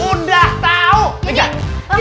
sudah tau jalan